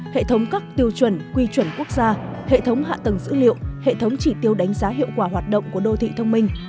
hệ thống các tiêu chuẩn quy chuẩn quốc gia hệ thống hạ tầng dữ liệu hệ thống chỉ tiêu đánh giá hiệu quả hoạt động của đô thị thông minh